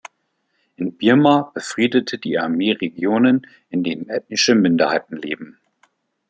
In Birma befriedet die Armee Regionen, in denen ethnische Minderheiten leben.